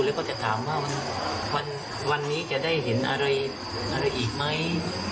แล้วก็จะถามว่าวันนี้จะได้เห็นอะไรอีกไหม